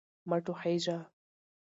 مه ټوخیژه